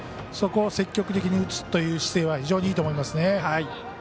そこを積極的に打つという姿勢は非常にいいと思いますね。